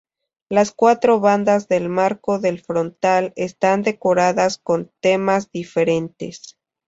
Las cuatro bandas del marco del frontal están decoradas con temas diferentes.